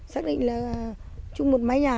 xác định là chung một mái nhà